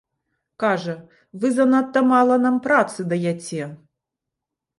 Кажа, вы занадта мала нам працы даяце.